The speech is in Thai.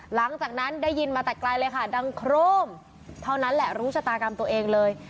หลังจากนั้นได้ยินมาแต่ไกลเลยค่ะดังโครมเท่านั้นแหละรู้ชะตากรรมตัวเองเลย